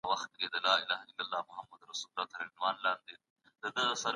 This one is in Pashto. حضوري تدريس زده کوونکو ته د بحث موقع برابره کړه.